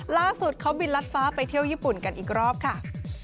ล่าสุดเขาบินรัดฟ้าไปเที่ยวญี่ปุ่นกันอีกรอบค่ะ